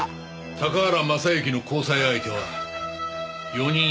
高原雅之の交際相手は４人いた。